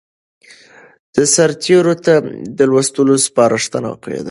سرتېرو ته د لوستلو سپارښتنه کېده.